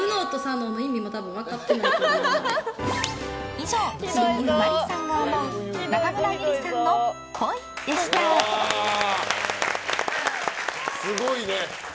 以上、親友ｍａｒｉさんが思う中村ゆりさんの、っぽいでした。すごいね。